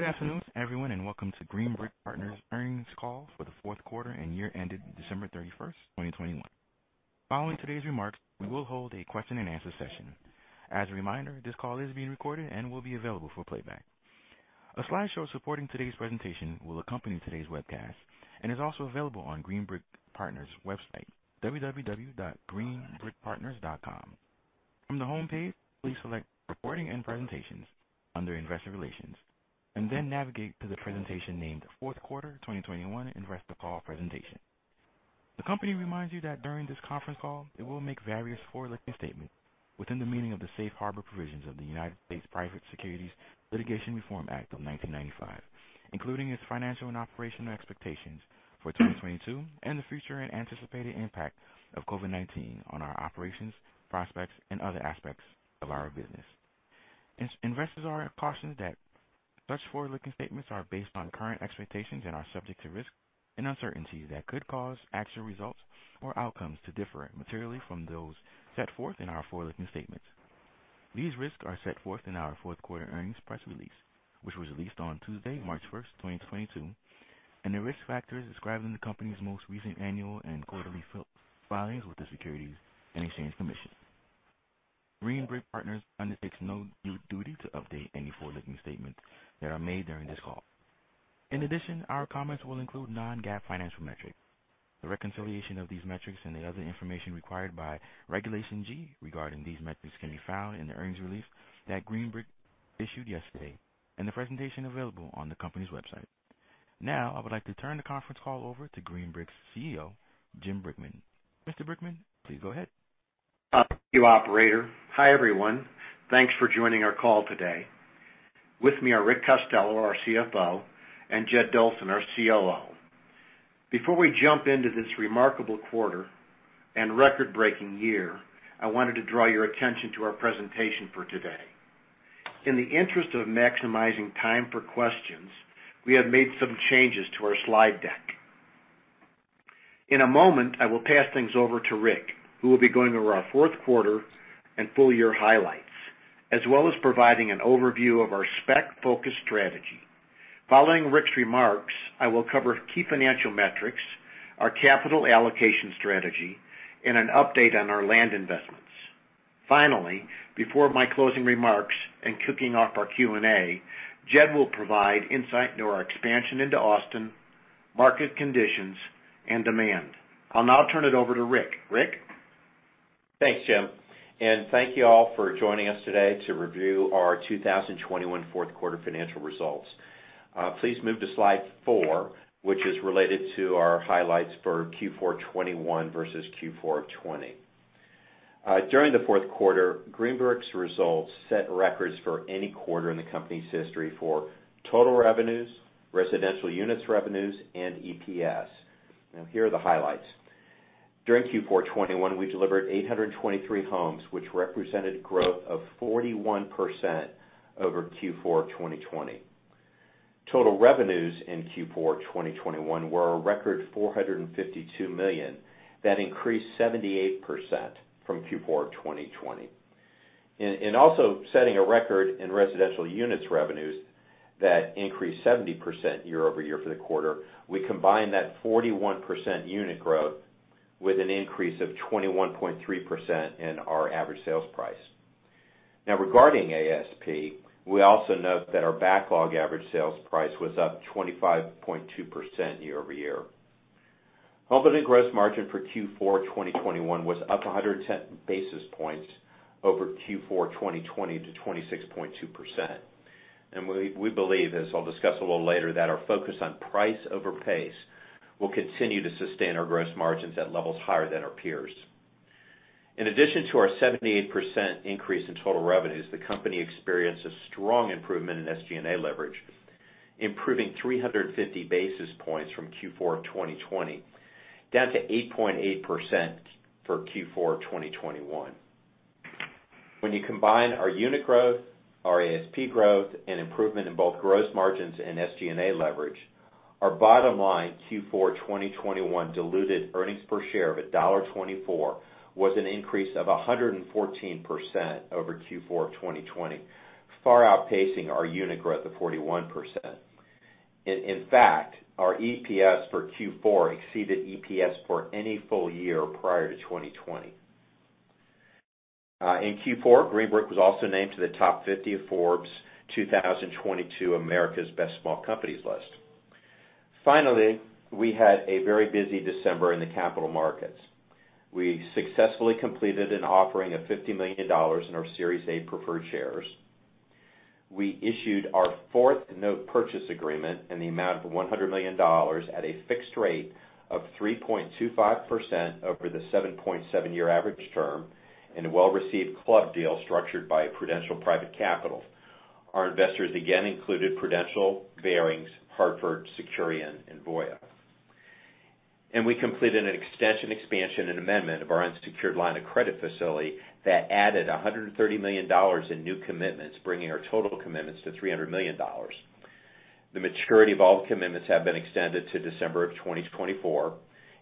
Good afternoon, everyone, and welcome to Green Brick Partners earnings call for the fourth quarter and year ended December 31, 2021. Following today's remarks, we will hold a question-and-answer session. As a reminder, this call is being recorded and will be available for playback. A slideshow supporting today's presentation will accompany today's webcast and is also available on Green Brick Partners' website, www.greenbrickpartners.com. From the homepage, please select reporting and presentations under Investor Relations and then navigate to the presentation named Fourth Quarter 2021 Investor Call Presentation. The company reminds you that during this conference call, it will make various forward-looking statements within the meaning of the Safe Harbor Provisions of the Private Securities Litigation Reform Act of 1995, including its financial and operational expectations for 2022 and the future and anticipated impact of COVID-19 on our operations, prospects, and other aspects of our business. Investors are cautioned that such forward-looking statements are based on current expectations and are subject to risks and uncertainties that could cause actual results or outcomes to differ materially from those set forth in our forward-looking statements. These risks are set forth in our fourth quarter earnings press release, which was released on Tuesday, March 1, 2022, and the risk factors described in the company's most recent annual and quarterly filings with the Securities and Exchange Commission. Green Brick Partners undertakes no duty to update any forward-looking statements that are made during this call. In addition, our comments will include non-GAAP financial metrics. The reconciliation of these metrics and the other information required by Regulation G regarding these metrics can be found in the earnings release that Green Brick issued yesterday and the presentation available on the company's website. Now, I would like to turn the conference call over to Green Brick's CEO, Jim Brickman. Mr. Brickman, please go ahead. Thank you, operator. Hi, everyone. Thanks for joining our call today. With me are Rick Costello, our CFO, and Jed Dolson, our COO. Before we jump into this remarkable quarter and record-breaking year, I wanted to draw your attention to our presentation for today. In the interest of maximizing time for questions, we have made some changes to our slide deck. In a moment, I will pass things over to Rick, who will be going over our fourth quarter and full year highlights, as well as providing an overview of our spec-focused strategy. Following Rick's remarks, I will cover key financial metrics, our capital allocation strategy, and an update on our land investments. Finally, before my closing remarks and kicking off our Q&A, Jed will provide insight into our expansion into Austin, market conditions, and demand. I'll now turn it over to Rick. Rick? Thanks, Jim, and thank you all for joining us today to review our 2021 fourth quarter financial results. Please move to slide four, which is related to our highlights for Q4 2021 versus Q4 2020. During the fourth quarter, Green Brick Partners' results set records for any quarter in the company's history for total revenues, residential units revenues, and EPS. Now, here are the highlights. During Q4 2021, we delivered 823 homes, which represented growth of 41% over Q4 2020. Total revenues in Q4 2021 were a record $452 million. That increased 78% from Q4 2020. In also setting a record in residential units revenues that increased 70% year-over-year for the quarter. We combined that 41% unit growth with an increase of 21.3% in our average sales price. Now regarding ASP, we also note that our backlog average sales price was up 25.2% year-over-year. Operating gross margin for Q4 2021 was up 100 basis points over Q4 2020 to 26.2%. We believe, as I'll discuss a little later, that our focus on price over pace will continue to sustain our gross margins at levels higher than our peers. In addition to our 78% increase in total revenues, the company experienced a strong improvement in SG&A leverage, improving 350 basis points from Q4 of 2020, down to 8.8% for Q4 2021. When you combine our unit growth, our ASP growth, and improvement in both gross margins and SG&A leverage, our bottom line Q4 2021 diluted earnings per share of $1.24 was an increase of 114% over Q4 2020, far outpacing our unit growth of 41%. In fact, our EPS for Q4 exceeded EPS for any full year prior to 2020. In Q4, Green Brick Partners was also named to the top 50 of Forbes' 2022 America's Best Small Companies list. Finally, we had a very busy December in the capital markets. We successfully completed an offering of $50 million in our Series A preferred shares. We issued our fourth note purchase agreement in the amount of $100 million at a fixed rate of 3.25% over the 7.7-year average term in a well-received club deal structured by Prudential Private Capital. Our investors again included Prudential, Barings, Hartford, Securian, and Voya. We completed an extension, expansion, and amendment of our unsecured line of credit facility that added $130 million in new commitments, bringing our total commitments to $300 million. The maturity of all the commitments have been extended to December 2024,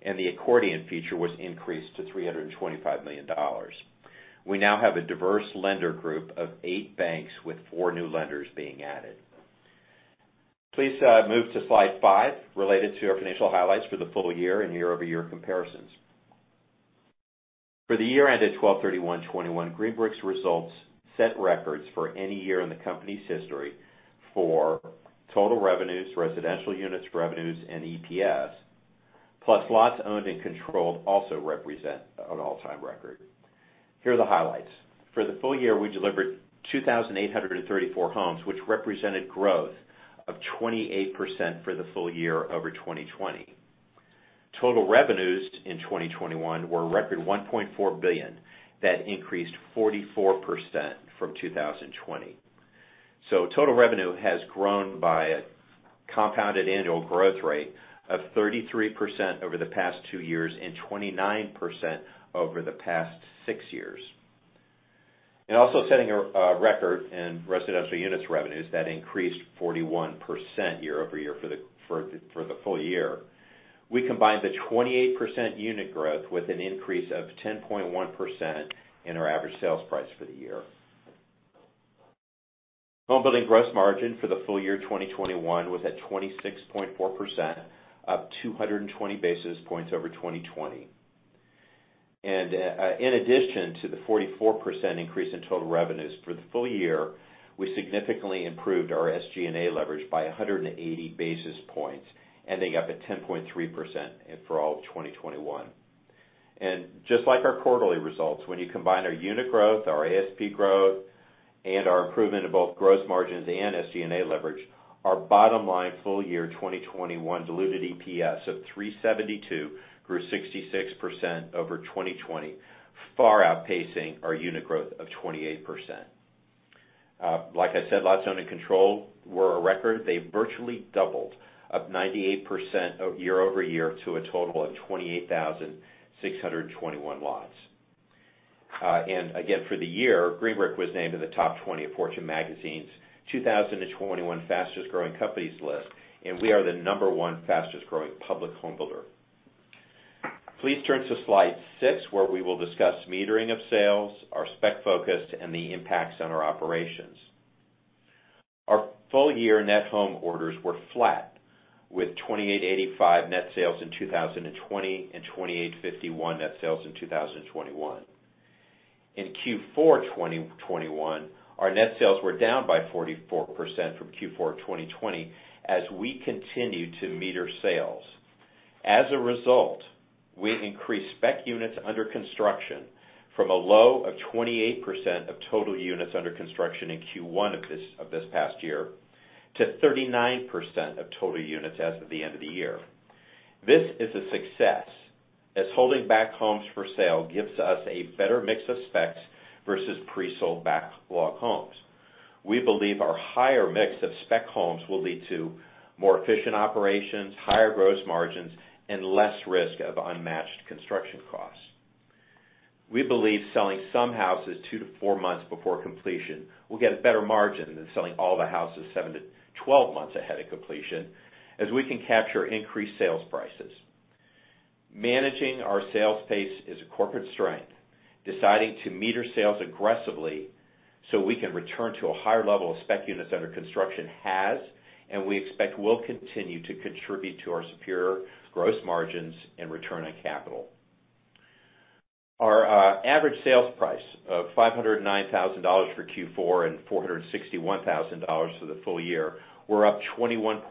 and the accordion feature was increased to $325 million. We now have a diverse lender group of eight banks with four new lenders being added. Please, move to slide five related to our financial highlights for the full year and year-over-year comparisons. For the year ended December 31, 2021, Green Brick Partners' results set records for any year in the company's history for total revenues, residential units revenues, and EPS, plus lots owned and controlled also represent an all-time record. Here are the highlights. For the full year, we delivered 2,834 homes, which represented growth of 28% for the full year over 2020. Total revenues in 2021 were a record $1.4 billion. That increased 44% from 2020. Total revenue has grown by a compounded annual growth rate of 33% over the past two years and 29% over the past six years. Also setting a record in residential units revenues that increased 41% year-over-year for the full year. We combined the 28% unit growth with an increase of 10.1% in our average sales price for the year. Home building gross margin for the full year 2021 was at 26.4%, up 220 basis points over 2020. In addition to the 44% increase in total revenues for the full year, we significantly improved our SG&A leverage by 180 basis points, ending up at 10.3% for all of 2021. Just like our quarterly results, when you combine our unit growth, our ASP growth, and our improvement in both gross margins and SG&A leverage, our bottom line full year 2021 diluted EPS of $3.72 grew 66% over 2020, far outpacing our unit growth of 28%. Like I said, lots owned and controlled were a record. They virtually doubled, up 98% year-over-year to a total of 28,621 lots. Again, for the year, Green Brick was named in the top 20 of Fortune Magazine's 2021 Fastest Growing Companies list, and we are the number one fastest growing public home builder. Please turn to slide six, where we will discuss metering of sales, our spec focus, and the impacts on our operations. Our full year net home orders were flat, with 2,885 net sales in 2020 and 2,851 net sales in 2021. In Q4 2021, our net sales were down by 44% from Q4 of 2020 as we continued to meter sales. As a result, we increased spec units under construction from a low of 28% of total units under construction in Q1 of this past year to 39% of total units as of the end of the year. This is a success, as holding back homes for sale gives us a better mix of specs versus pre-sold backlog homes. We believe our higher mix of spec homes will lead to more efficient operations, higher gross margins, and less risk of unmatched construction costs. We believe selling some houses two-four months before completion will get a better margin than selling all the houses 7-12 months ahead of completion, as we can capture increased sales prices. Managing our sales pace is a corporate strength. Deciding to meter sales aggressively so we can return to a higher level of spec units under construction has, and we expect will continue to contribute to our superior gross margins and return on capital. Our average sales price of $509,000 for Q4 and $461,000 for the full year were up 21.3%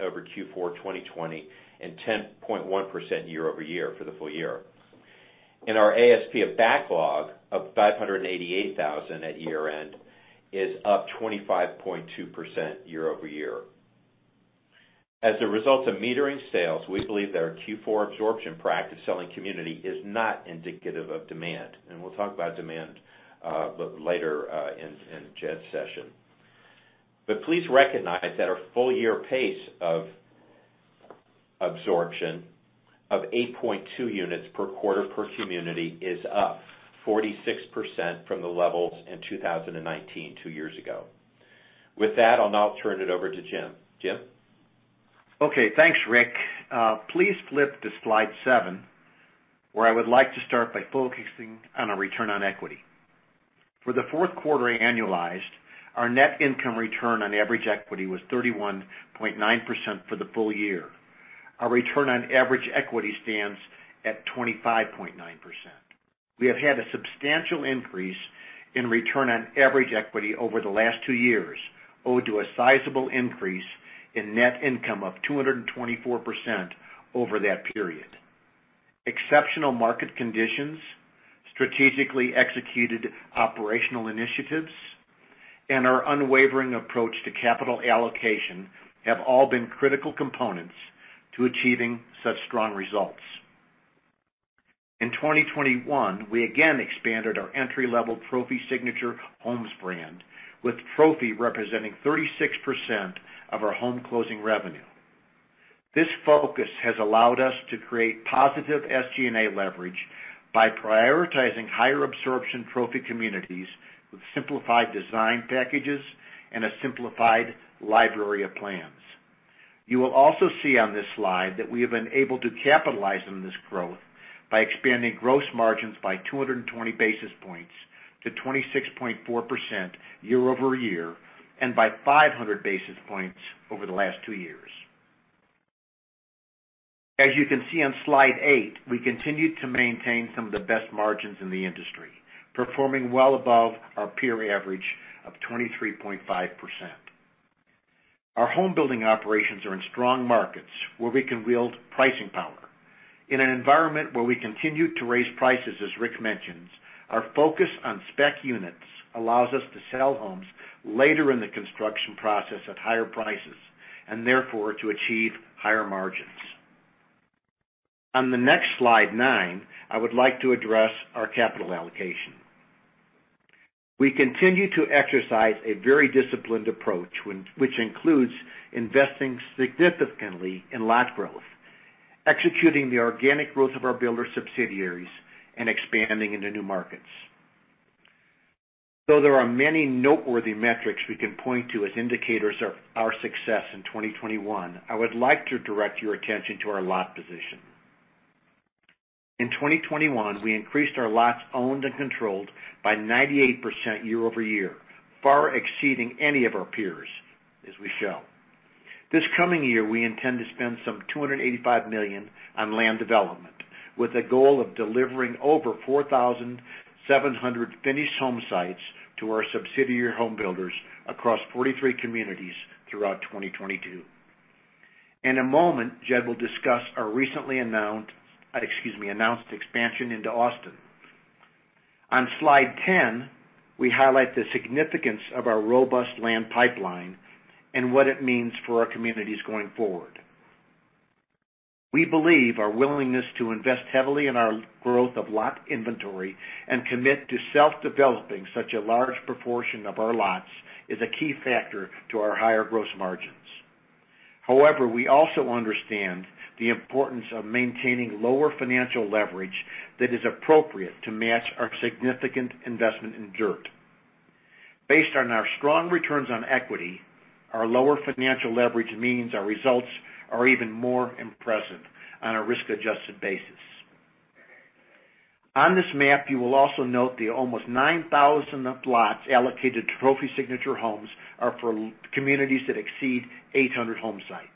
over Q4 2020 and 10.1% year-over-year for the full year. Our ASP of backlog of $588,000 at year-end is up 25.2% year-over-year. As a result of metering sales, we believe that our Q4 absorption per active selling community is not indicative of demand, and we'll talk about demand later in Jim's session. Please recognize that our full year pace of absorption of 8.2 units per quarter per community is up 46% from the levels in 2019 two years ago. With that, I'll now turn it over to Jim. Jim? Okay, thanks, Rick. Please flip to slide seven, where I would like to start by focusing on our return on equity. For the fourth quarter annualized, our net income return on average equity was 31.9% for the full year. Our return on average equity stands at 25.9%. We have had a substantial increase in return on average equity over the last two years due to a sizable increase in net income of 224% over that period. Exceptional market conditions, strategically executed operational initiatives, and our unwavering approach to capital allocation have all been critical components to achieving such strong results. In 2021, we again expanded our entry-level Trophy Signature Homes brand, with Trophy representing 36% of our home closing revenue. This focus has allowed us to create positive SG&A leverage by prioritizing higher absorption trophy communities with simplified design packages and a simplified library of plans. You will also see on this slide that we have been able to capitalize on this growth by expanding gross margins by 220 basis points to 26.4% year-over-year and by 500 basis points over the last two years. As you can see on slide eight, we continued to maintain some of the best margins in the industry, performing well above our peer average of 23.5%. Our home building operations are in strong markets where we can wield pricing power. In an environment where we continue to raise prices, as Rick mentioned, our focus on spec units allows us to sell homes later in the construction process at higher prices, and therefore, to achieve higher margins. On the next slide nine, I would like to address our capital allocation. We continue to exercise a very disciplined approach which includes investing significantly in lot growth, executing the organic growth of our builder subsidiaries, and expanding into new markets. Though there are many noteworthy metrics we can point to as indicators of our success in 2021, I would like to direct your attention to our lot position. In 2021, we increased our lots owned and controlled by 98% year-over-year, far exceeding any of our peers, as we show. This coming year, we intend to spend $285 million on land development with a goal of delivering over 4,700 finished home sites to our subsidiary home builders across 43 communities throughout 2022. In a moment, Jed will discuss our recently announced, excuse me, announced expansion into Austin. On slide 10, we highlight the significance of our robust land pipeline and what it means for our communities going forward. We believe our willingness to invest heavily in our growth of lot inventory and commit to self-developing such a large proportion of our lots is a key factor to our higher gross margins. However, we also understand the importance of maintaining lower financial leverage that is appropriate to match our significant investment in dirt. Based on our strong returns on equity, our lower financial leverage means our results are even more impressive on a risk-adjusted basis. On this map, you will also note the almost 9,000 lots allocated to Trophy Signature Homes are for communities that exceed 800 home sites.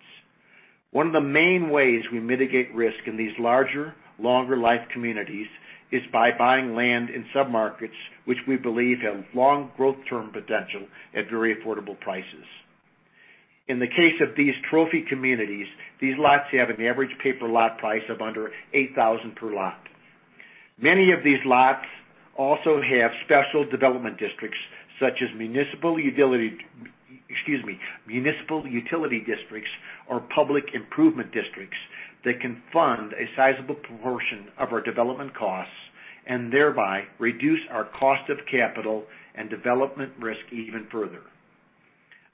One of the main ways we mitigate risk in these larger, longer life communities is by buying land in submarkets, which we believe have long growth term potential at very affordable prices. In the case of these Trophy communities, these lots have an average pay-per-lot price of under $8,000 per lot. Many of these lots also have special development districts such as Municipal Utility Districts or Public Improvement Districts that can fund a sizable proportion of our development costs and thereby reduce our cost of capital and development risk even further.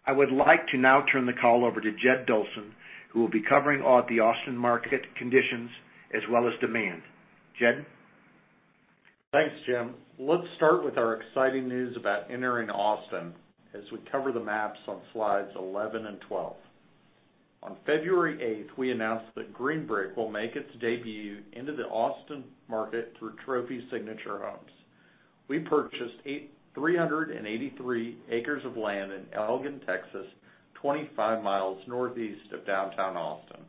I would like to now turn the call over to Jed Dolson, who will be covering all the Austin market conditions as well as demand. Jed? Thanks, Jim. Let's start with our exciting news about entering Austin as we cover the maps on slides 11 and 12. On February 8, we announced that Green Brick will make its debut into the Austin market through Trophy Signature Homes. We purchased 383 acres of land in Elgin, Texas, 25 miles northeast of downtown Austin,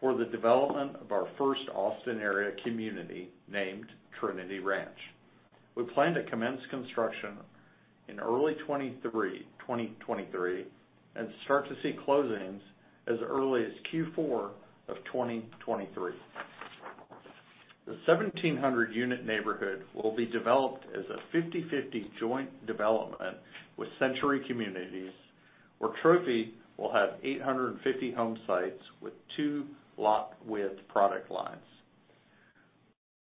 for the development of our first Austin area community named Trinity Ranch. We plan to commence construction in early 2023 and start to see closings as early as Q4 of 2023. The 1,700-unit neighborhood will be developed as a 50/50 joint development with Century Communities, where Trophy will have 850 home sites with two lot width product lines.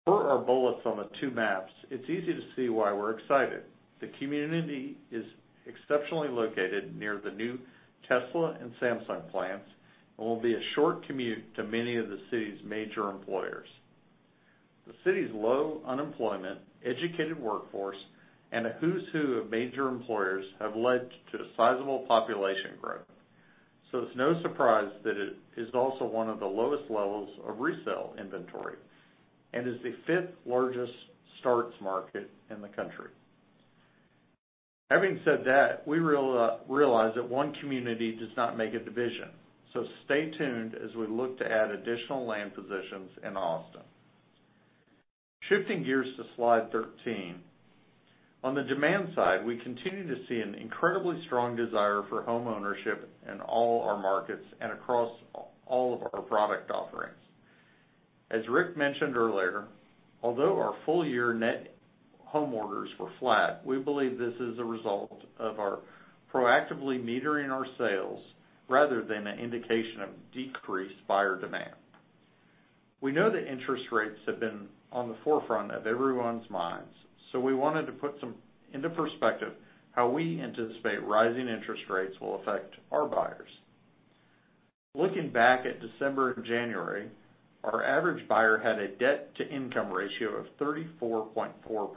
Per our bullets on the two maps, it's easy to see why we're excited. The community is exceptionally located near the new Tesla and Samsung plants and will be a short commute to many of the city's major employers. The city's low unemployment, educated workforce, and a who's who of major employers have led to a sizable population growth. It's no surprise that it is also one of the lowest levels of resale inventory and is the fifth-largest starts market in the country. Having said that, we realize that one community does not make a division. Stay tuned as we look to add additional land positions in Austin. Shifting gears to slide 13. On the demand side, we continue to see an incredibly strong desire for homeownership in all our markets and across all of our product offerings. As Rick mentioned earlier, although our full year net home orders were flat, we believe this is a result of our proactively metering our sales rather than an indication of decreased buyer demand. We know that interest rates have been on the forefront of everyone's minds, so we wanted to put this into perspective how we anticipate rising interest rates will affect our buyers. Looking back at December and January, our average buyer had a debt-to-income ratio of 34.4%,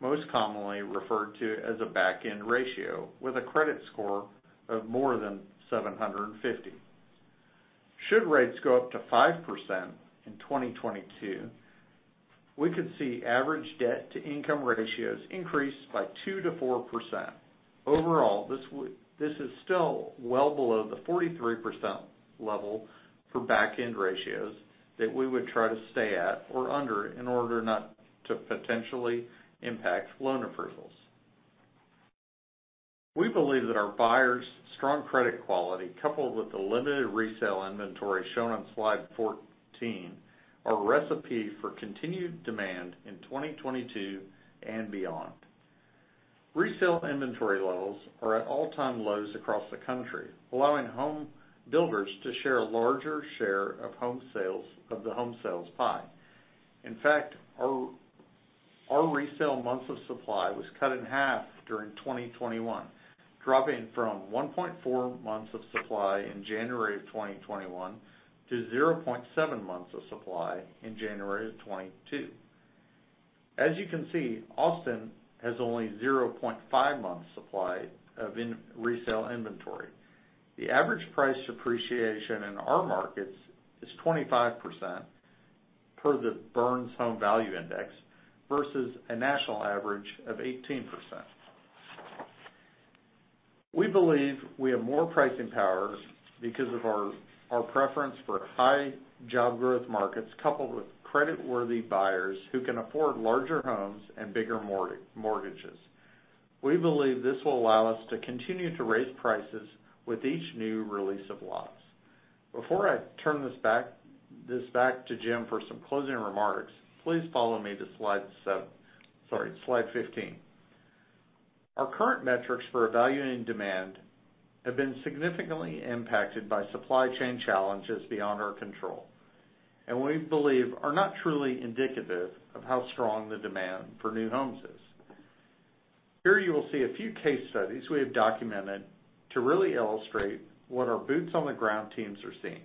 most commonly referred to as a back-end ratio with a credit score of more than 750. Should rates go up to 5% in 2022, we could see average debt-to-income ratios increase by 2%-4%. Overall, this is still well below the 43% level for back-end ratios that we would try to stay at or under in order not to potentially impact loan approvals. We believe that our buyers' strong credit quality, coupled with the limited resale inventory shown on slide 14, are a recipe for continued demand in 2022 and beyond. Resale inventory levels are at all-time lows across the country, allowing home builders to share a larger share of home sales of the home sales pie. In fact, our resale months of supply was cut in half during 2021, dropping from 1.4 months of supply in January 2021 to 0.7 months of supply in January 2022. As you can see, Austin has only 0.5 months supply of resale inventory. The average price appreciation in our markets is 25% per the Burns Home Value Index versus a national average of 18%. We believe we have more pricing powers because of our preference for high job growth markets coupled with credit-worthy buyers who can afford larger homes and bigger mortgages. We believe this will allow us to continue to raise prices with each new release of lots. Before I turn this back to Jim for some closing remarks, please follow me to slide 15. Our current metrics for evaluating demand have been significantly impacted by supply chain challenges beyond our control, and we believe are not truly indicative of how strong the demand for new homes is. Here, you will see a few case studies we have documented to really illustrate what our boots on the ground teams are seeing.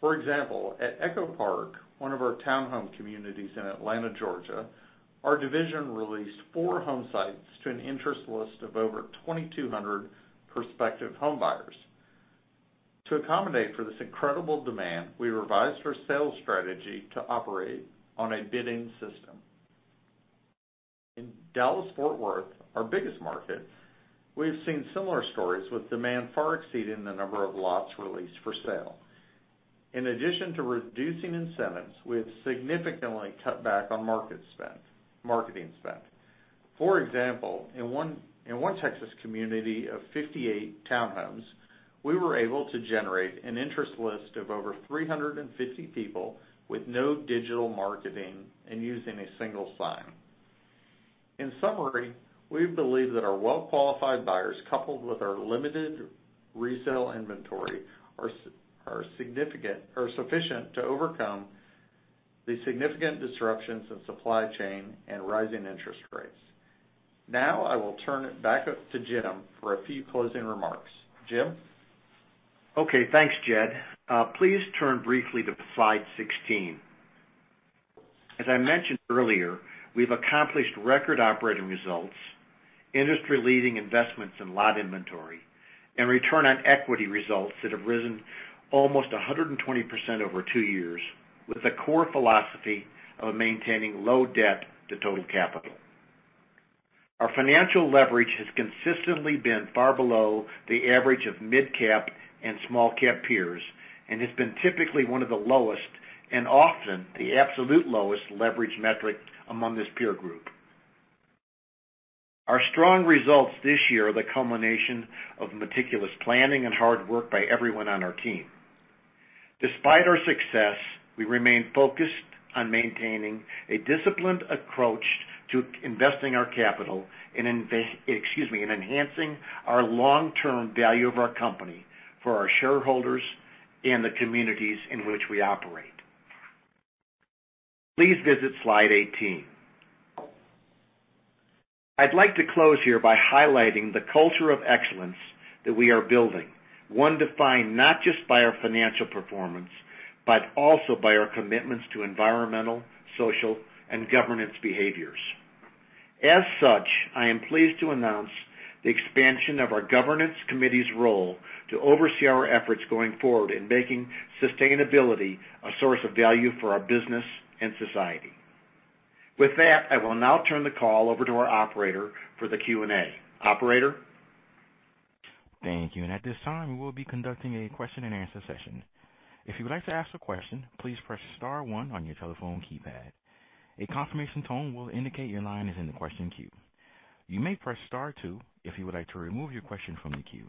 For example, at Echo Park, one of our town home communities in Atlanta, Georgia, our division released four home sites to an interest list of over 2,200 prospective home buyers. To accommodate for this incredible demand, we revised our sales strategy to operate on a bidding system. In Dallas-Fort Worth, our biggest market, we have seen similar stories, with demand far exceeding the number of lots released for sale. In addition to reducing incentives, we have significantly cut back on market spend, marketing spend. For example, in one Texas community of 58 townhomes, we were able to generate an interest list of over 350 people with no digital marketing and using a single sign. In summary, we believe that our well-qualified buyers, coupled with our limited resale inventory, are sufficient to overcome the significant disruptions in supply chain and rising interest rates. Now I will turn it back over to Jim for a few closing remarks. Jim? Okay, thanks, Jed. Please turn briefly to slide 16. As I mentioned earlier, we've accomplished record operating results, industry-leading investments in lot inventory, and return on equity results that have risen almost 120% over two years with a core philosophy of maintaining low debt to total capital. Our financial leverage has consistently been far below the average of midcap and small cap peers, and has been typically one of the lowest and often the absolute lowest leverage metric among this peer group. Our strong results this year are the culmination of meticulous planning and hard work by everyone on our team. Despite our success, we remain focused on maintaining a disciplined approach to investing our capital and enhancing our long-term value of our company for our shareholders and the communities in which we operate. Please visit slide 18. I'd like to close here by highlighting the culture of excellence that we are building. One defined not just by our financial performance, but also by our commitments to environmental, social, and governance behaviors. As such, I am pleased to announce the expansion of our governance committee's role to oversee our efforts going forward in making sustainability a source of value for our business and society. With that, I will now turn the call over to our operator for the Q&A. Operator? Thank you. At this time, we will be conducting a question-and-answer session. If you would like to ask a question, please press star one on your telephone keypad. A confirmation tone will indicate your line is in the question queue. You may press star two if you would like to remove your question from the queue.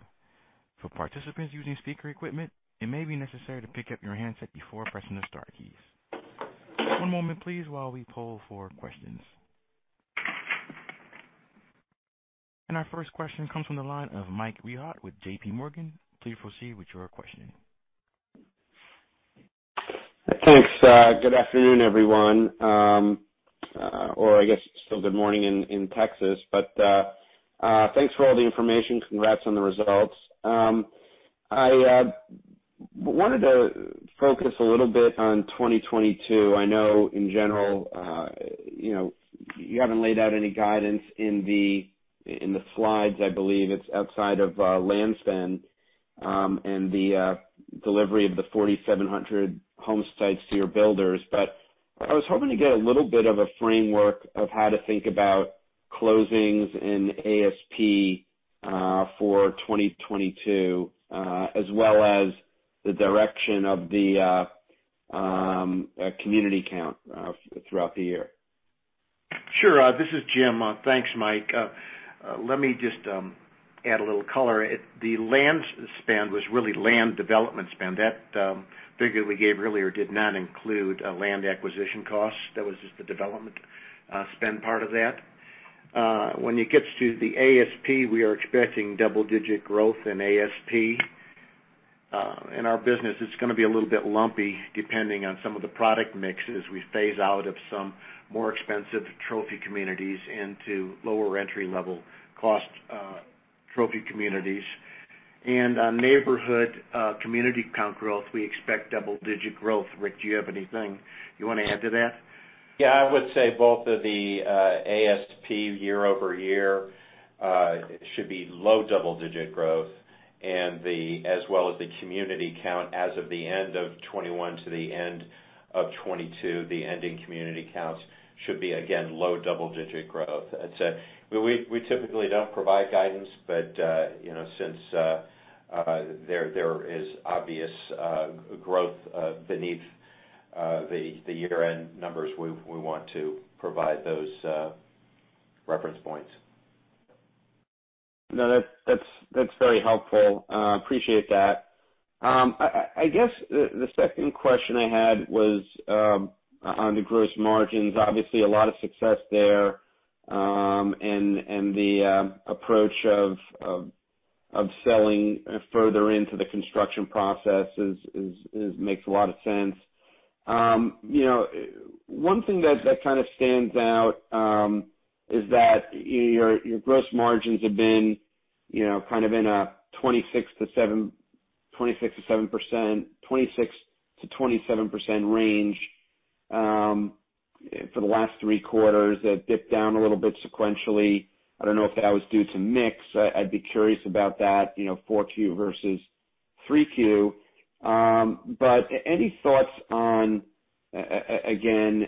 For participants using speaker equipment, it may be necessary to pick up your handset before pressing the star keys. One moment please while we poll for questions. Our first question comes from the line of Michael Rehaut with JPMorgan. Please proceed with your questioning. Thanks. Good afternoon, everyone. I guess still good morning in Texas. Thanks for all the information. Congrats on the results. I wanted to focus a little bit on 2022. I know in general, you know, you haven't laid out any guidance in the slides, I believe it's outside of land spend, and the delivery of the 4,700 home sites to your builders. I was hoping to get a little bit of a framework of how to think about closings in ASP for 2022, as well as the direction of the community count throughout the year? Sure. This is Jim. Thanks, Mike. Let me just add a little color. The land spend was really land development spend. That figure we gave earlier did not include land acquisition costs. That was just the development spend part of that. When it gets to the ASP, we are expecting double-digit growth in ASP. In our business, it's gonna be a little bit lumpy depending on some of the product mix as we phase out of some more expensive trophy communities into lower entry-level cost trophy communities. On neighborhood community count growth, we expect double-digit growth. Rick, do you have anything you want to add to that? Yeah, I would say both of the ASP year-over-year should be low double-digit growth and as well as the community count as of the end of 2021 to the end of 2022, the ending community counts should be, again, low double-digit growth. I'd say we typically don't provide guidance, but you know, since there is obvious growth beneath the year-end numbers, we want to provide those reference points. No, that's very helpful. Appreciate that. I guess the second question I had was on the gross margins. Obviously, a lot of success there, and the approach of selling further into the construction process makes a lot of sense. You know, one thing that kind of stands out is that your gross margins have been, you know, kind of in a 26%-27% range for the last three quarters. It dipped down a little bit sequentially. I don't know if that was due to mix. I'd be curious about that, you know, 4Q versus 3Q. Any thoughts on, again,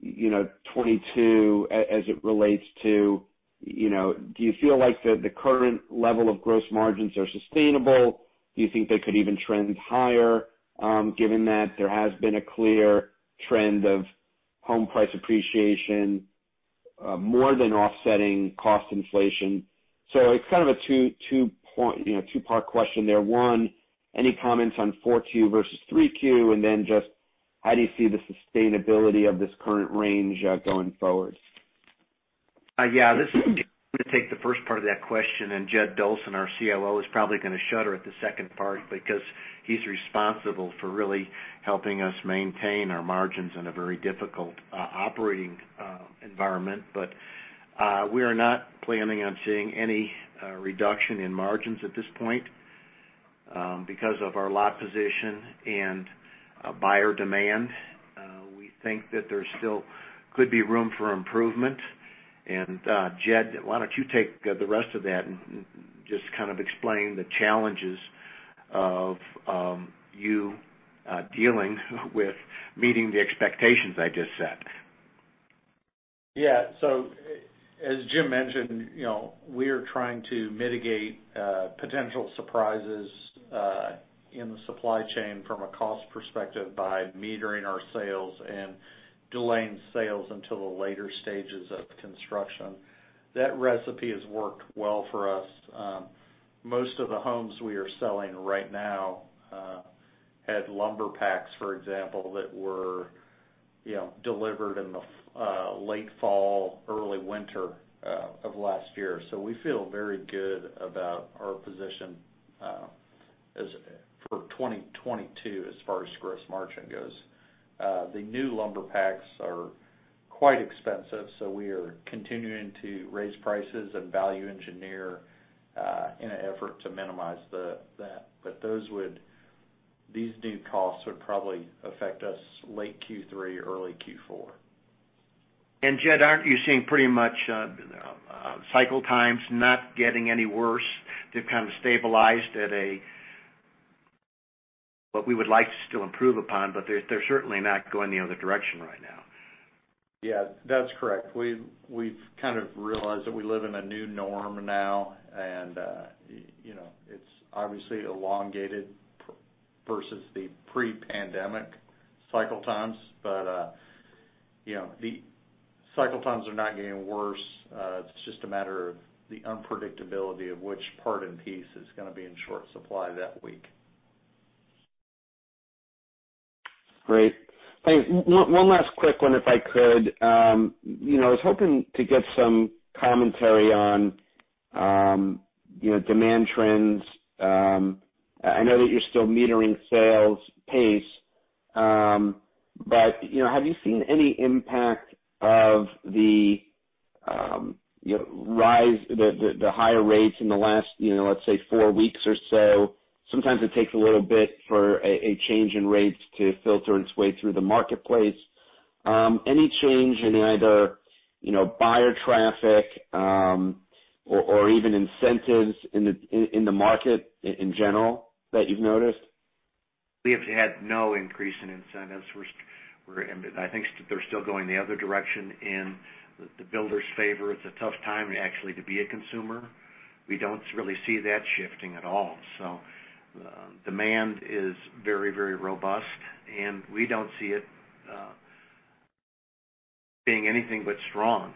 you know, 2022 as it relates to, you know, do you feel like the current level of gross margins are sustainable? Do you think they could even trend higher, given that there has been a clear trend of home price appreciation, more than offsetting cost inflation? It's kind of a two-part question there. One, any comments on Q4 versus Q3? Then just how do you see the sustainability of this current range, going forward? Yeah. This is Jim. I'm gonna take the first part of that question, and Jed Dolson, our COO, is probably gonna shudder at the second part because he's responsible for really helping us maintain our margins in a very difficult operating environment. We are not planning on seeing any reduction in margins at this point because of our lot position and buyer demand. We think that there still could be room for improvement. Jed, why don't you take the rest of that and just kind of explain the challenges of you dealing with meeting the expectations I just set. Yeah. As Jim mentioned, you know, we are trying to mitigate potential surprises in the supply chain from a cost perspective by metering our sales and delaying sales until the later stages of construction. That recipe has worked well for us. Most of the homes we are selling right now had lumber packs, for example, that were, you know, delivered in the late fall, early winter of last year. We feel very good about our position as for 2022, as far as gross margin goes. The new lumber packs are quite expensive, so we are continuing to raise prices and value engineer in an effort to minimize that. These new costs would probably affect us late Q3, early Q4. Jed, aren't you seeing pretty much cycle times not getting any worse? They've kind of stabilized at a what we would like to still improve upon, but they're certainly not going the other direction right now. Yeah, that's correct. We've kind of realized that we live in a new norm now, and you know, it's obviously elongated pre- versus the pre-pandemic cycle times. You know, the cycle times are not getting worse. It's just a matter of the unpredictability of which part and piece is gonna be in short supply that week. Great. Thanks. One last quick one, if I could. You know, I was hoping to get some commentary on, you know, demand trends. I know that you're still metering sales pace, but, you know, have you seen any impact of the, you know, the higher rates in the last, you know, let's say four weeks or so? Sometimes it takes a little bit for a change in rates to filter its way through the marketplace. Any change in either, you know, buyer traffic, or even incentives in the market in general that you've noticed? We have had no increase in incentives. We're I think they're still going the other direction in the builder's favor. It's a tough time actually to be a consumer. We don't really see that shifting at all. Demand is very, very robust, and we don't see it being anything but strong.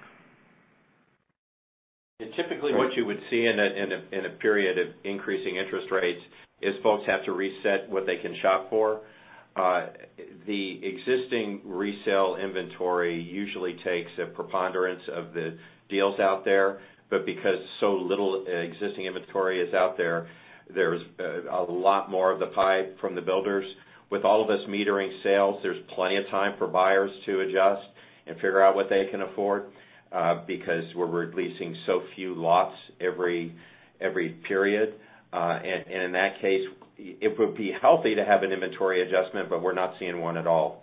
Typically what you would see in a period of increasing interest rates is folks have to reset what they can shop for. The existing resale inventory usually takes a preponderance of the deals out there, but because so little existing inventory is out there's a lot more of the pie from the builders. With all of us metering sales, there's plenty of time for buyers to adjust and figure out what they can afford, because we're releasing so few lots every period. In that case, it would be healthy to have an inventory adjustment, but we're not seeing one at all.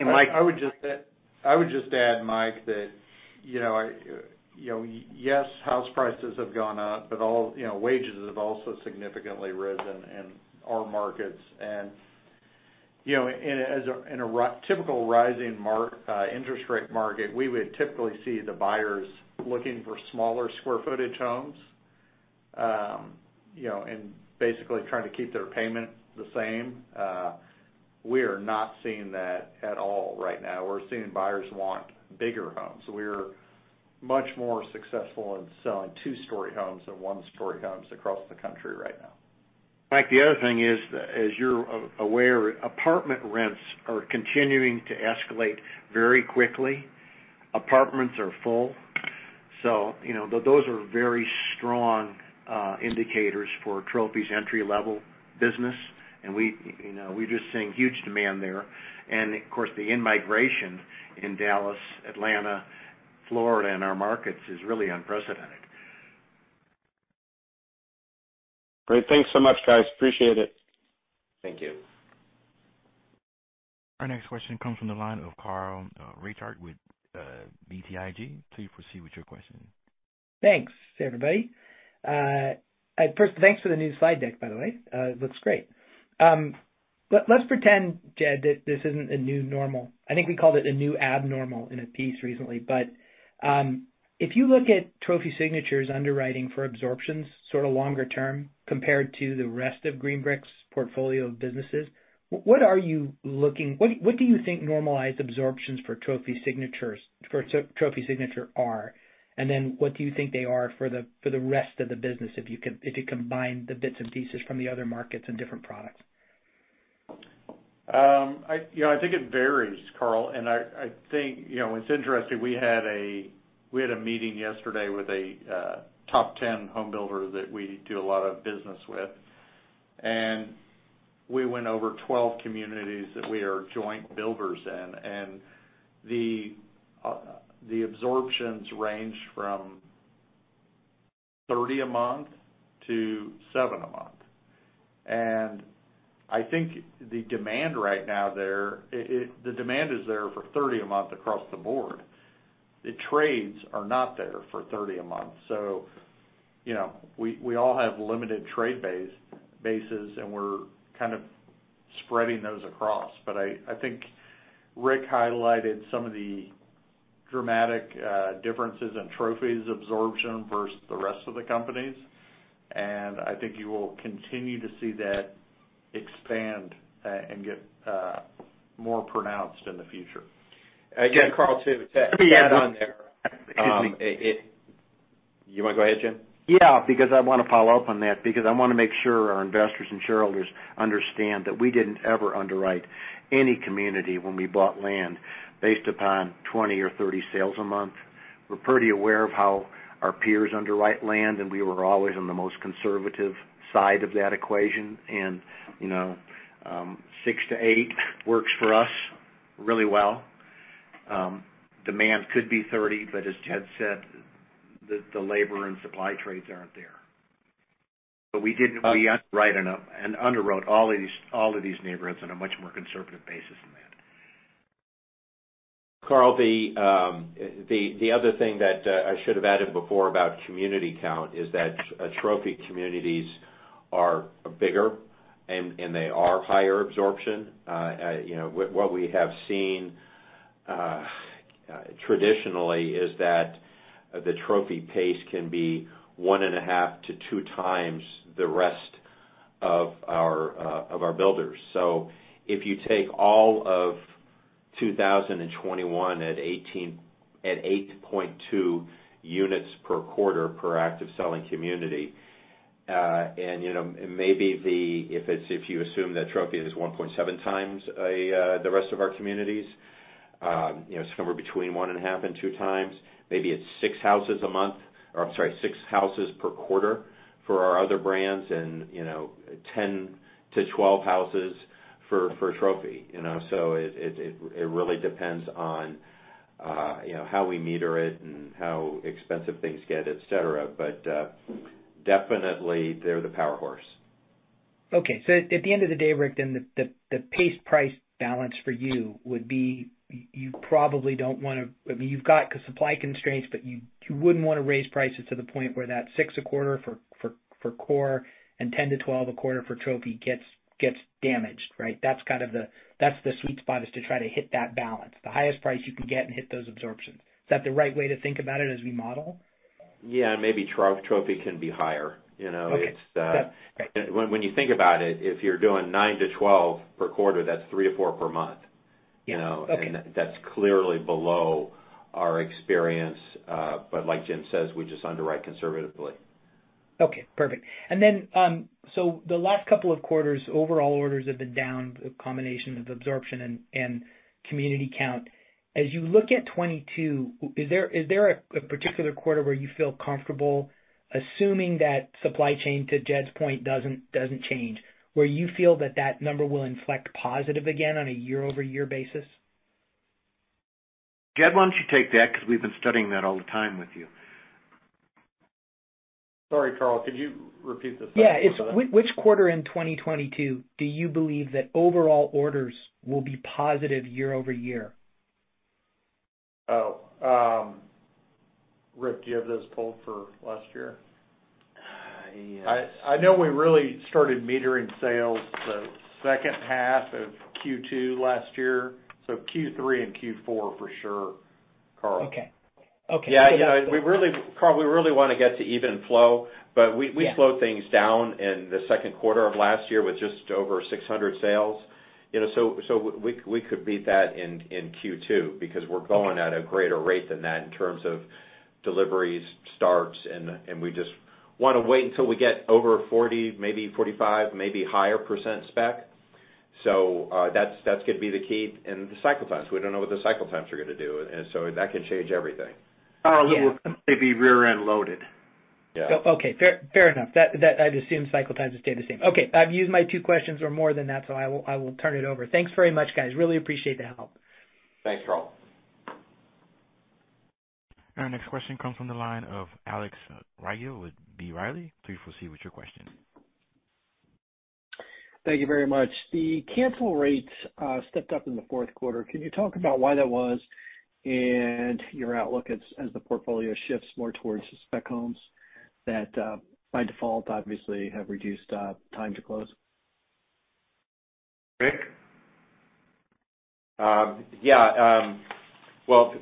Mike I would just add, Mike, that you know, yes, house prices have gone up, but all, you know, wages have also significantly risen in our markets. You know, in a typical rising interest rate market, we would typically see the buyers looking for smaller square footage homes, you know, and basically trying to keep their payment the same. We are not seeing that at all right now. We're seeing buyers want bigger homes. We are much more successful in selling two-story homes than one-story homes across the country right now. Mike, the other thing is, as you're aware, apartment rents are continuing to escalate very quickly. Apartments are full. You know, those are very strong indicators for Trophy's entry-level business. We, you know, we're just seeing huge demand there. Of course, the in-migration in Dallas, Atlanta, Florida, and our markets is really unprecedented. Great. Thanks so much, guys. Appreciate it. Thank you. Our next question comes from the line of Carl Reichardt with BTIG. Please proceed with your question. Thanks, everybody. At first, thanks for the new slide deck, by the way. It looks great. Let's pretend, Jed, that this isn't a new normal. I think we called it a new abnormal in a piece recently. If you look at Trophy Signature's underwriting for absorptions sort of longer term compared to the rest of Green Brick's portfolio of businesses, what do you think normalized absorptions for Trophy Signature are? And then what do you think they are for the rest of the business, if you could combine the bits and pieces from the other markets and different products? I think it varies, Carl. I think it's interesting, we had a meeting yesterday with a top ten home builder that we do a lot of business with. We went over 12 communities that we are joint builders in. The absorptions range from 30 a month to seven a month. I think the demand right now there, the demand is there for 30 a month across the board. The trades are not there for 30 a month. We all have limited trade bases, and we're kind of spreading those across. I think Rick highlighted some of the dramatic differences in Trophy's absorption versus the rest of the companies. I think you will continue to see that expand and get more pronounced in the future. Again, Carl, too, to add on there. Yeah. You wanna go ahead, Jim? Yeah, because I wanna follow up on that because I wanna make sure our investors and shareholders understand that we didn't ever underwrite any community when we bought land based upon 20 or 30 sales a month. We're pretty aware of how our peers underwrite land, and we were always on the most conservative side of that equation. You know, six-eight works for us really well. Demand could be 30, but as Jed said, the labor and supply trades aren't there. We did underwrite enough and underwrote all of these neighborhoods on a much more conservative basis than that. Carl, the other thing that I should have added before about community count is that Trophy communities are bigger, and they are higher absorption. You know, what we have seen traditionally is that the Trophy pace can be 1.5-2 times the rest of our builders. If you take all of 2021 at 8.2 units per quarter per active selling community. You know, maybe if you assume that Trophy is 1.7 times the rest of our communities, you know, somewhere between 1.5 and 2 times, maybe it's six houses a month or, I'm sorry, six houses per quarter for our other brands and, you know, 10-12 houses for Trophy, you know. It really depends on, you know, how we meter it and how expensive things get, etc.. Definitely they're the workhorse. Okay. At the end of the day, Rick, the pace price balance for you would be you probably don't wanna. I mean, you've got supply constraints, but you wouldn't wanna raise prices to the point where that six a quarter for core and 10-12 a quarter for Trophy gets damaged, right? That's kind of the sweet spot, to try to hit that balance, the highest price you can get and hit those absorptions. Is that the right way to think about it as we model? Yeah, maybe Trophy can be higher. You know, it's the- Okay. Got it. Great. When you think about it, if you're doing nine-12 per quarter, that's three-four per month. You know? Okay. I mean, that's clearly below our experience. Like Jim says, we just underwrite conservatively. Okay. Perfect. The last couple of quarters, overall orders have been down, a combination of absorption and community count. As you look at 2022, is there a particular quarter where you feel comfortable, assuming that supply chain, to Jed's point, doesn't change, where you feel that number will inflect positive again on a year-over-year basis? Jed, why don't you take that because we've been studying that all the time with you. Sorry, Carl, could you repeat the second part of that? Yeah. Which quarter in 2022 do you believe that overall orders will be positive year-over-year? Oh, Rick, do you have those pulled for last year? Yes. I know we really started meeting sales the second half of Q2 last year, so Q3 and Q4 for sure, Carl. Okay. Okay. Yeah. You know, we really wanna get to even flow, but we, Yeah. We slowed things down in the second quarter of last year with just over 600 sales. You know, so we could beat that in Q2 because we're going at a greater rate than that in terms of deliveries, starts, and we just wanna wait until we get over 40, maybe 45, maybe higher percent spec. That's gonna be the key in the cycle times. We don't know what the cycle times are gonna do, and so that can change everything. Carl, it will probably be back-end loaded. Yeah. Okay. Fair enough. That I'd assume cycle times will stay the same. Okay, I've used my two questions or more than that, so I will turn it over. Thanks very much, guys. Really appreciate the help. Thanks, Carl. Our next question comes from the line of Alex Rygiel with B. Riley. Please proceed with your question. Thank you very much. The cancel rates stepped up in the fourth quarter. Can you talk about why that was and your outlook as the portfolio shifts more towards spec homes that by default obviously have reduced time to close? Rick? It was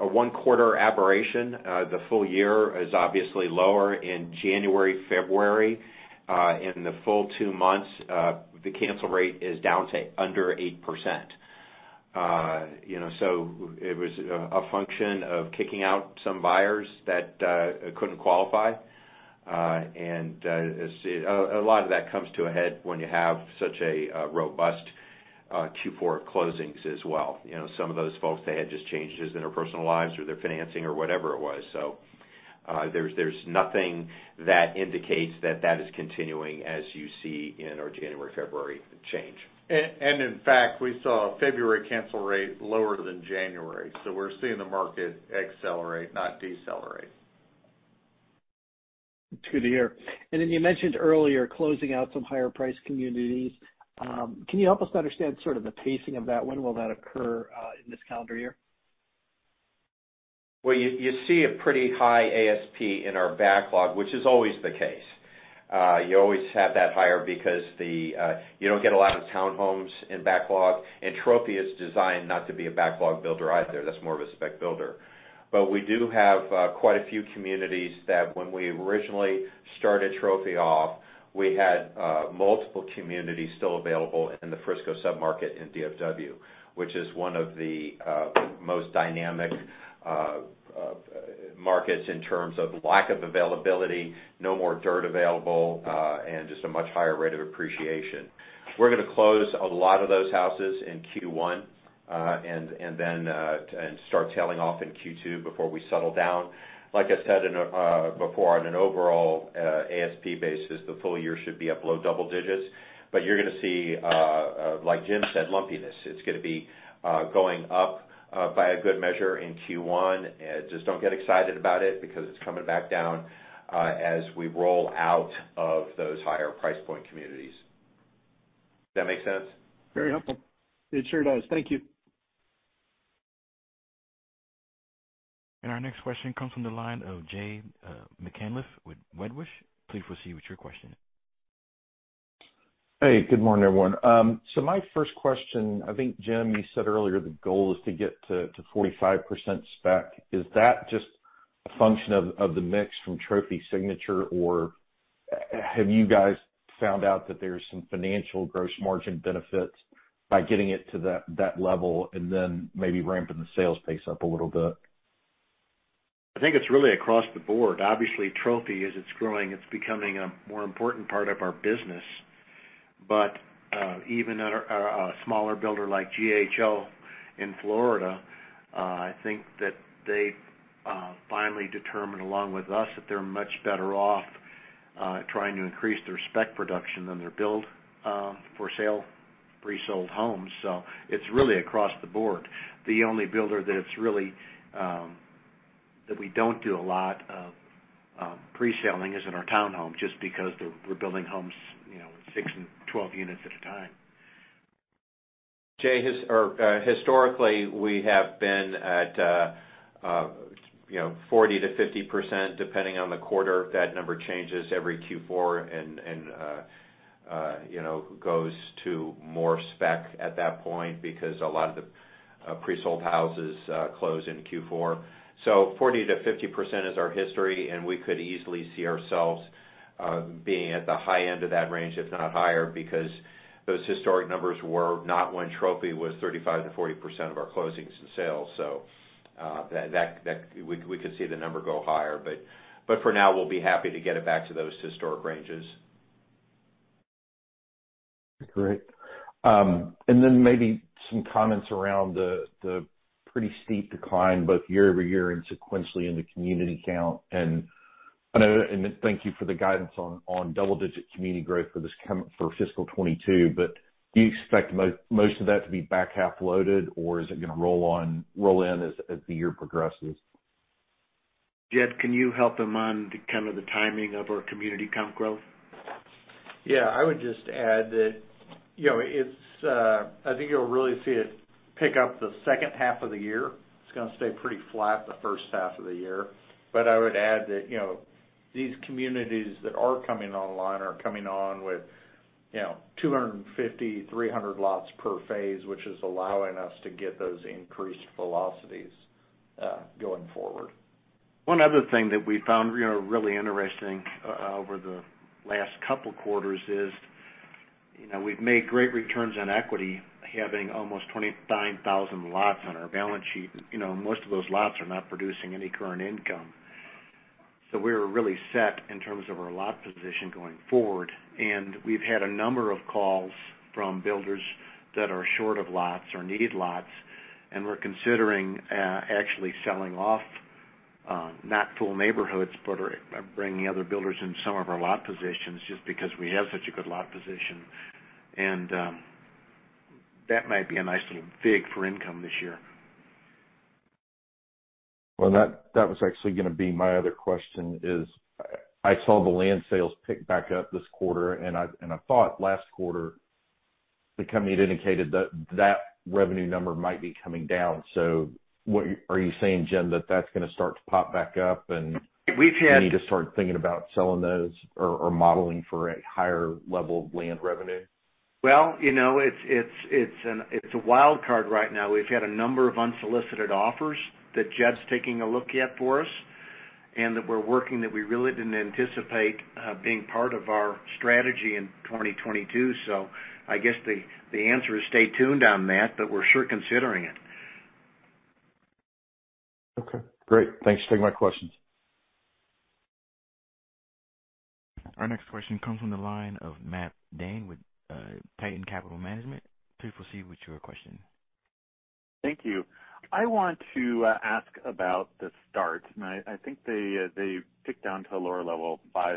a one-quarter aberration. The full year is obviously lower in January, February. In the full two months, the cancel rate is down to under 8%. You know, so it was a function of kicking out some buyers that couldn't qualify. A lot of that comes to a head when you have such a robust Q4 closings as well. You know, some of those folks, they had just changes in their personal lives or their financing or whatever it was. There's nothing that indicates that, that is continuing as you see in our January, February change. In fact, we saw February cancel rate lower than January. We're seeing the market accelerate, not decelerate. That's good to hear. You mentioned earlier closing out some higher priced communities. Can you help us understand sort of the pacing of that? When will that occur in this calendar year? Well, you see a pretty high ASP in our backlog, which is always the case. You always have that higher because you don't get a lot of townhomes in backlog. Trophy is designed not to be a backlog builder either. That's more of a spec builder. We do have quite a few communities that when we originally started Trophy off, we had multiple communities still available in the Frisco sub-market in DFW, which is one of the most dynamic markets in terms of lack of availability, no more dirt available, and just a much higher rate of appreciation. We're gonna close a lot of those houses in Q1, and then start tailing off in Q2 before we settle down. Like I said before, on an overall ASP basis, the full year should be up low double digits. You're gonna see, like Jim said, lumpiness. It's gonna be going up by a good measure in Q1. Just don't get excited about it because it's coming back down as we roll out of those higher price point communities. Does that make sense? Very helpful. It sure does. Thank you. Our next question comes from the line of Jay McCanless with Wedbush. Please proceed with your question. Hey, good morning, everyone. My first question, I think, Jim, you said earlier the goal is to get to 45% spec. Is that just a function of the mix from Trophy Signature, or have you guys found out that there's some financial gross margin benefits by getting it to that level and then maybe ramping the sales pace up a little bit? I think it's really across the board. Obviously, Trophy, as it's growing, it's becoming a more important part of our business. Even at our smaller builder like GHO in Florida, I think that they finally determined along with us that they're much better off trying to increase their spec production than their build for sale pre-sold homes. It's really across the board. The only builder that's really that we don't do a lot of pre-selling is in our town home just because we're building homes, you know, and 12 units at a time. Jay, historically, we have been at 40%-50%, depending on the quarter. That number changes every Q4 and goes to more spec at that point because a lot of the pre-sold houses close in Q4. 40%-50% is our history, and we could easily see ourselves being at the high end of that range, if not higher, because those historic numbers were not when Trophy was 35%-40% of our closings and sales. We could see the number go higher. For now, we'll be happy to get it back to those historic ranges. Great. Maybe some comments around the pretty steep decline both year-over-year and sequentially in the community count. I know, and thank you for the guidance on double-digit community growth for fiscal 2022. Do you expect most of that to be back half loaded, or is it gonna roll in as the year progresses? Jed, can you help him on kind of the timing of our community count growth? Yeah. I would just add that, you know, it's, I think you'll really see it pick up the second half of the year. It's gonna stay pretty flat the first half of the year. I would add that, you know, these communities that are coming online are coming on with, you know, 250-300 lots per phase, which is allowing us to get those increased velocities, going forward. One other thing that we found, you know, really interesting over the last couple quarters is, you know, we've made great returns on equity, having almost 29,000 lots on our balance sheet. You know, most of those lots are not producing any current income. We're really set in terms of our lot position going forward, and we've had a number of calls from builders that are short of lots or need lots, and we're considering actually selling off not full neighborhoods, but are bringing other builders in some of our lot positions just because we have such a good lot position. That might be a nice little fig for income this year. Well, that was actually gonna be my other question is, I saw the land sales pick back up this quarter, and I thought last quarter, the company had indicated that revenue number might be coming down. What are you saying, Jim, that that's gonna start to pop back up, and- We've had. You need to start thinking about selling those or modeling for a higher level of land revenue? Well, you know, it's a wild card right now. We've had a number of unsolicited offers that Jed's taking a look at for us and that we're working, that we really didn't anticipate being part of our strategy in 2022. I guess the answer is stay tuned on that, but we're sure considering it. Okay, great. Thanks. Taking my questions. Our next question comes from the line of Matt Dane with Titan Capital Management. Please proceed with your question. Thank you. I want to ask about the starts. I think they ticked down to a lower level, 545-546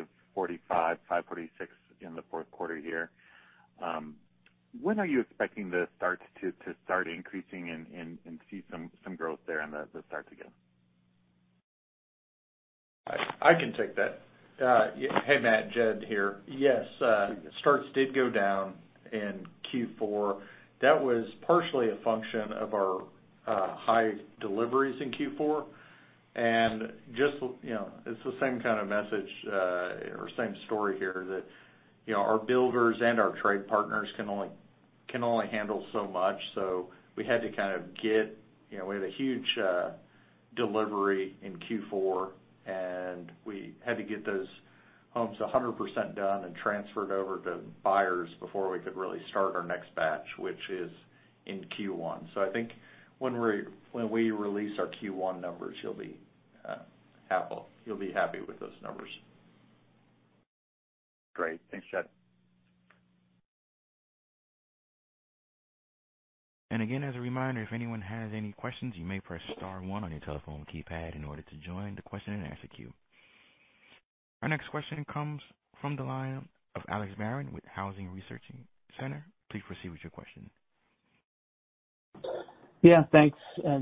in the fourth quarter here. When are you expecting the starts to start increasing and see some growth there on the starts again? I can take that. Yeah. Hey, Matt. Jed here. Yes, starts did go down in Q4. That was partially a function of our high deliveries in Q4. Just, you know, it's the same kind of message or same story here that, you know, our builders and our trade partners can only handle so much. We had to kind of get. You know, we had a huge delivery in Q4, and we had to get those homes 100% done and transferred over to buyers before we could really start our next batch, which is in Q1. I think when we release our Q1 numbers, you'll be happy with those numbers. Great. Thanks, Jed. Again, as a reminder, if anyone has any questions, you may press star one on your telephone keypad in order to join the question and answer queue. Our next question comes from the line of Alex Marin with Housing Research Center. Please proceed with your question. Yeah, thanks,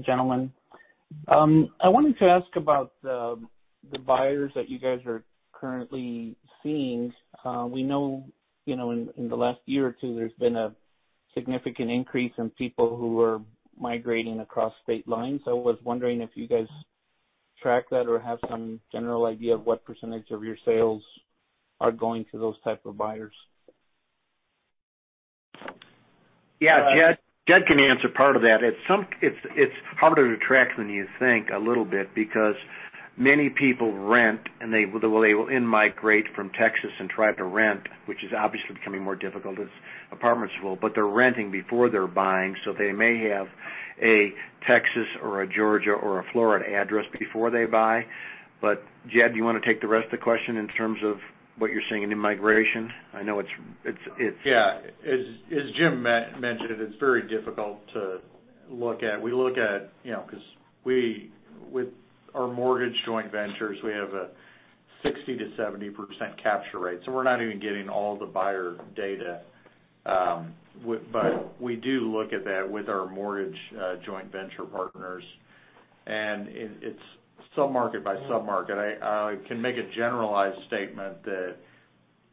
gentlemen. I wanted to ask about the buyers that you guys are currently seeing. We know, you know, in the last year or two, there's been a significant increase in people who are migrating across state lines. I was wondering if you guys track that or have some general idea of what percentage of your sales are going to those type of buyers. Yeah. Jed can answer part of that. It's harder to track than you think a little bit because many people rent, and they well, they will in-migrate from Texas and try to rent, which is obviously becoming more difficult as apartments are full. But they're renting before they're buying, so they may have a Texas or a Georgia or a Florida address before they buy. But Jed, do you wanna take the rest of the question in terms of what you're seeing in migration? I know it's. Yeah. As Jim mentioned, it's very difficult to look at. We look at, because with our mortgage joint ventures, we have a 60%-70% capture rate, so we're not even getting all the buyer data. But we do look at that with our mortgage joint venture partners, and it's sub-market by sub-market. I can make a generalized statement that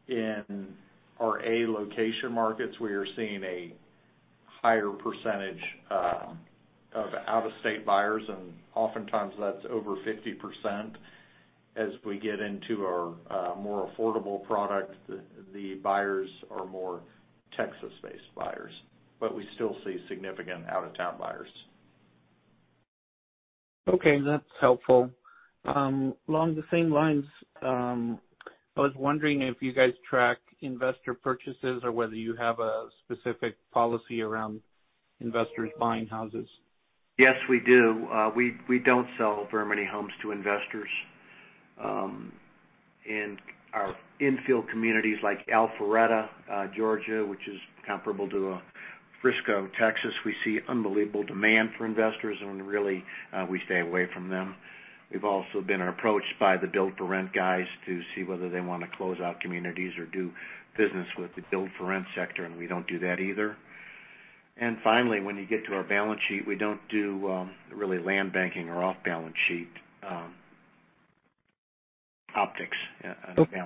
in our A location markets, we are seeing a higher percentage of out-of-state buyers, and oftentimes that's over 50%. As we get into our more affordable product, the buyers are more Texas-based buyers. But we still see significant out-of-town buyers. Okay, that's helpful. Along the same lines, I was wondering if you guys track investor purchases or whether you have a specific policy around investors buying houses? Yes, we do. We don't sell very many homes to investors. In our infill communities like Alpharetta, Georgia, which is comparable to Frisco, Texas, we see unbelievable demand for investors, and really, we stay away from them. We've also been approached by the build-for-rent guys to see whether they wanna close out communities or do business with the build-for-rent sector, and we don't do that either. Finally, when you get to our balance sheet, we don't do really land banking or off-balance-sheet optics. Yeah. Okay.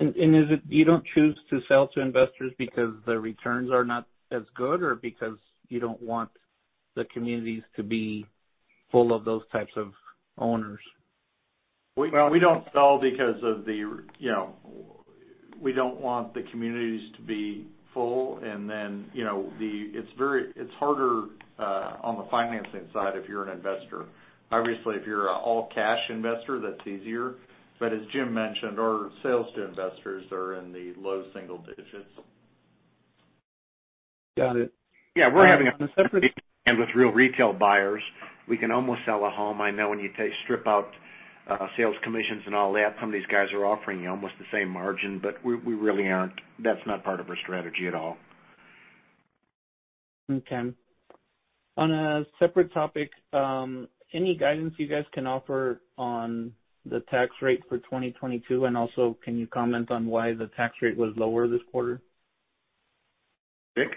Is it you don't choose to sell to investors because the returns are not as good or because you don't want the communities to be full of those types of owners? We don't want the communities to be full, and then, you know, it's harder on the financing side if you're an investor. Obviously, if you're an all cash investor, that's easier. As Jim mentioned, our sales to investors are in the low single digits. Got it. Yeah. We're happy with real retail buyers. We can almost sell a home. I know when you strip out sales commissions and all that, some of these guys are offering you almost the same margin, but we really aren't. That's not part of our strategy at all. Okay. On a separate topic, any guidance you guys can offer on the tax rate for 2022, and also can you comment on why the tax rate was lower this quarter? Rick?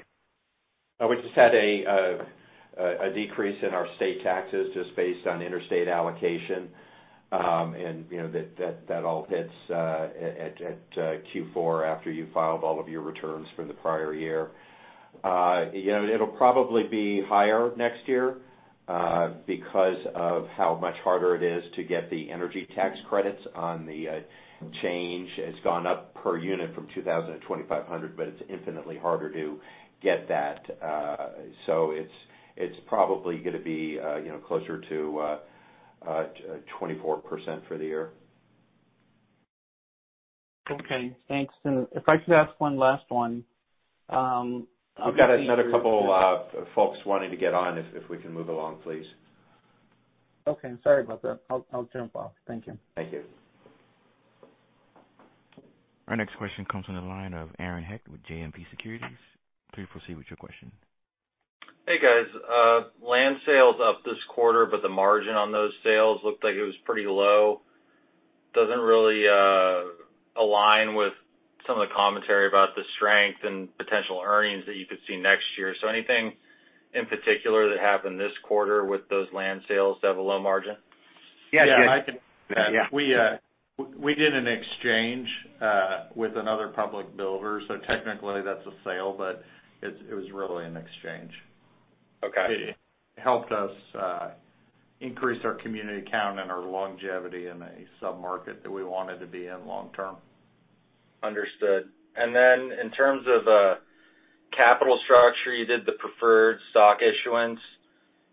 We just had a decrease in our state taxes just based on interstate allocation. You know, that all hits at Q4 after you've filed all of your returns for the prior year. You know, it'll probably be higher next year because of how much harder it is to get the energy tax credits on the change. It's gone up per unit from $2,000-$2,500, but it's infinitely harder to get that. It's probably gonna be, you know, closer to 24% for the year. Okay. Thanks. If I could ask one last one. We've got another couple of folks wanting to get on if we can move along, please. Okay, sorry about that. I'll jump off. Thank you. Thank you. Our next question comes from the line of Aaron Hecht with JMP Securities. Please proceed with your question. Hey, guys. Land sales up this quarter, but the margin on those sales looked like it was pretty low. Doesn't really align with some of the commentary about the strength and potential earnings that you could see next year? Anything in particular that happened this quarter with those land sales to have a low margin? Yeah. Yeah, I can. Yeah. We did an exchange with another public builder, so technically that's a sale, but it was really an exchange. Okay. It helped us increase our community count and our longevity in a sub-market that we wanted to be in long term. Understood. In terms of capital structure, you did the preferred stock issuance.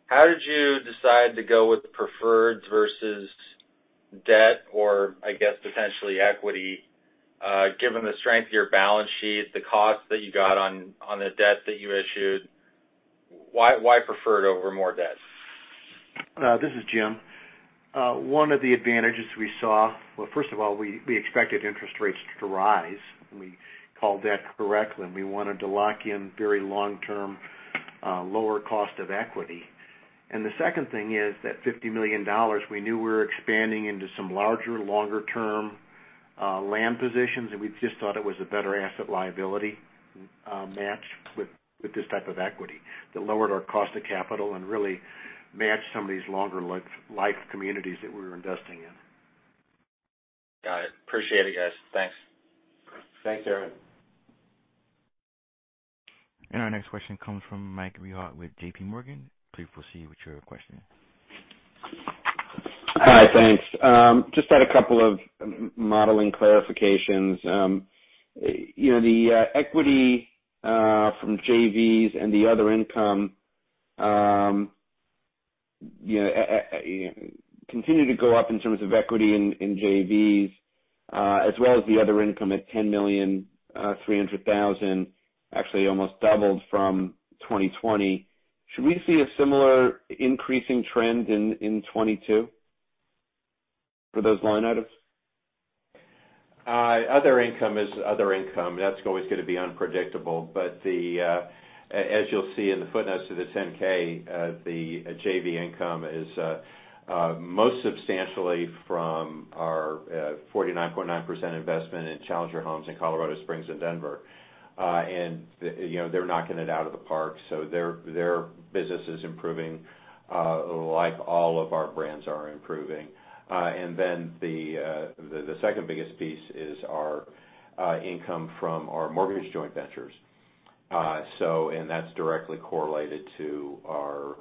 How did you decide to go with the preferred versus debt or I guess potentially equity, given the strength of your balance sheet, the cost that you got on the debt that you issued, why preferred over more debt? This is Jim. One of the advantages we saw. Well, first of all, we expected interest rates to rise. We called that correctly, and we wanted to lock in very long-term, lower cost of equity. The second thing is that $50 million, we knew we were expanding into some larger, longer term, land positions, and we just thought it was a better asset liability match with this type of equity that lowered our cost of capital and really matched some of these longer life communities that we were investing in. Got it. Appreciate it, guys. Thanks. Thanks, Aaron. Our next question comes from Michael Rehaut with JPMorgan. Please proceed with your question. Hi, thanks. Just had a couple of modeling clarifications. You know, the equity from JVs and the other income, you know, continue to go up in terms of equity in JVs as well as the other income at $10.3 million actually almost doubled from 2020. Should we see a similar increasing trend in 2022 for those line items? Other income is other income. That's always gonna be unpredictable. As you'll see in the footnotes to this 10-K, the JV income is most substantially from our 49.9% investment in Challenger Homes in Colorado Springs and Denver. You know, they're knocking it out of the park, so their business is improving like all of our brands are improving. The second biggest piece is our income from our mortgage joint ventures. That's directly correlated to our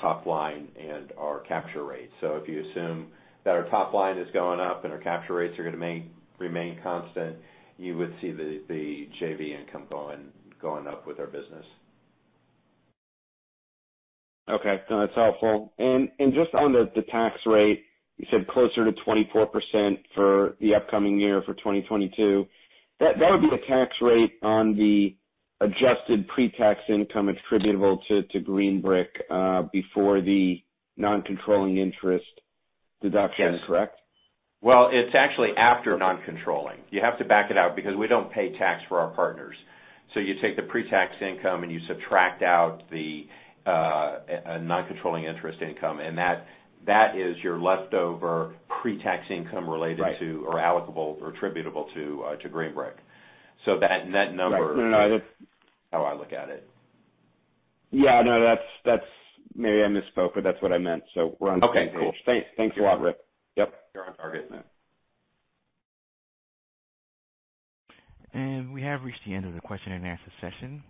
top line and our capture rate. If you assume that our top line is going up and our capture rates are gonna remain constant, you would see the JV income going up with our business. Okay. No, that's helpful. Just on the tax rate, you said closer to 24% for the upcoming year for 2022. That would be a tax rate on the adjusted pre-tax income attributable to Green Brick, before the non-controlling interest deduction, correct? Well, it's actually after non-controlling. You have to back it out because we don't pay tax for our partners. You take the pre-tax income, and you subtract out the non-controlling interest income, and that is your leftover pre-tax income related- Right. -to or allocable or attributable to Green Brick. That net number- No, I just- How I look at it. Yeah, I know that's. Maybe I misspoke, but that's what I meant. We're on the same page. Okay, cool. Thanks. Thanks a lot, Rick. Yep. You're on target then. We have reached the end of the question and answer session.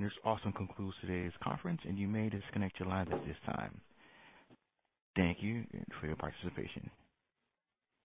This also concludes today's conference, and you may disconnect your lines at this time. Thank you for your participation.